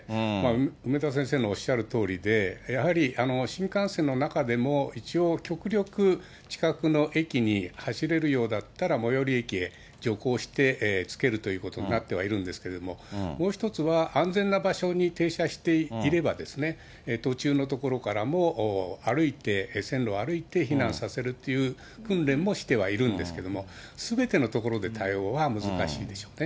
梅田先生のおっしゃるとおりで、やはり新幹線の中でも、一応、極力、近くの駅に走れるようだったら、最寄り駅へ徐行して着けるということになってはいるんですけれども、もう一つは、安全な場所に停車していれば、途中の所からも歩いて、線路を歩いて避難させるという訓練もしてはいるんですけれども、すべてのところで対応は難しいでしょうね。